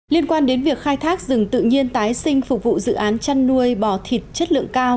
liên quan đến việc khai thác rừng tự nhiên tái sinh phục vụ dự án chăn nuôi bò thịt chất lượng cao